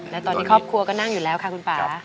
และตอนนี้ครอบครัวก็นั่งอยู่แล้วค่ะคุณป่า